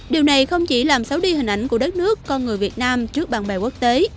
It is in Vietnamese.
điều này không chỉ làm xấu đi hình ảnh của đất nước con người việt nam trước bạn bè quốc tế